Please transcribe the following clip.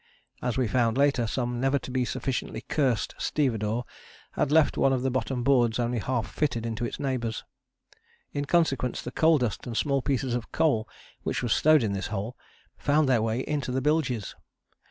As we found later, some never to be sufficiently cursed stevedore had left one of the bottom boards only half fitted into its neighbours. In consequence the coal dust and small pieces of coal, which was stowed in this hold, found their way into the bilges.